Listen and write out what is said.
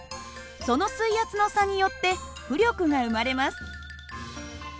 その水圧の差によって浮力が生まれます。